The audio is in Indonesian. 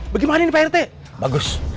bagaimana nih parete bagus